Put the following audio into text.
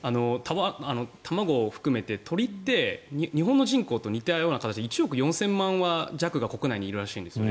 卵を含めて鶏って日本の人口と似たような形で１億４０００万羽弱くらいが国内にいるらしいんですね。